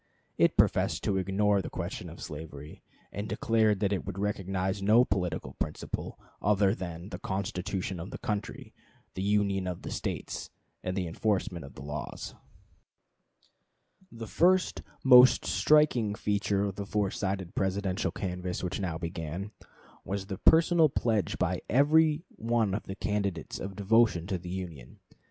It professed to ignore the question of slavery, and declared that it would recognize no political principle other than "the Constitution of the Country, the Union of the States, and the enforcement of the Laws." Curtis, "Life of Buchanan," Vol. II., p. 294. The first, most striking feature of the four sided Presidential canvass which now began, was the personal pledge by every one of the candidates of devotion to the Union.